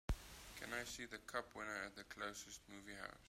Can I see The Cup Winner at the closest movie house